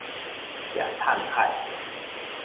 食迵海